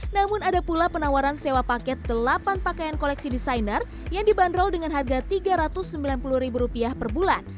namun ada pula penawaran sewa paket delapan pakaian koleksi desainer yang dibanderol dengan harga rp tiga ratus sembilan puluh per bulan